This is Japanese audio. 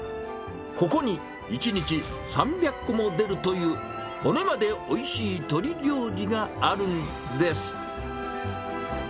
ここに、１日３００個も出るという骨までおいしい鶏料理があるんです。